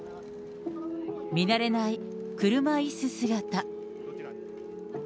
見慣れない車いす姿。